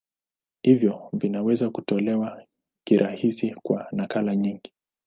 Hivyo vinaweza kutolewa kirahisi kwa nakala nyingi.